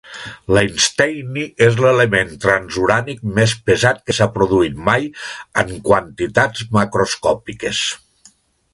L'einsteini és l'element transurànic més pesat que s'ha produït mai en quantitats macroscòpiques.